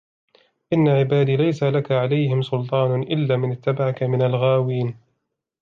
إِنَّ عِبَادِي لَيْسَ لَكَ عَلَيْهِمْ سُلْطَانٌ إِلَّا مَنِ اتَّبَعَكَ مِنَ الْغَاوِينَ